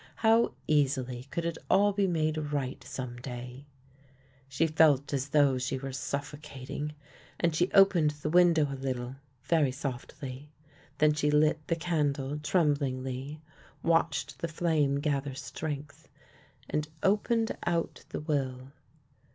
How easily could it all be made right some day ! She felt as though she were sufifocating, and she opened the window a little very softly. Then she lit the candle tremblingly, watched the flame gather strength, and opened out the will.